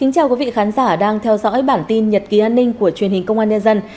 chào mừng quý vị đến với bản tin nhật ký an ninh của truyền hình công an nhân dân